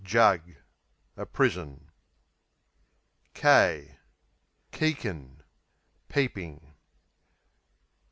Jug A prison. Keekin' Peeping.